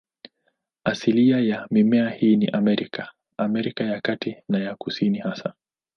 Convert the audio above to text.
Asilia ya mimea hii ni Amerika, Amerika ya Kati na ya Kusini hasa.